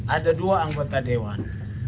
ada dua anggota dewan